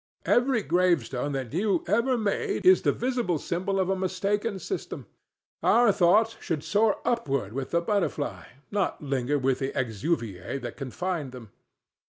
Every gravestone that you ever made is the visible symbol of a mistaken system. Our thoughts should soar upward with the butterfly, not linger with the exuviæ that confined him.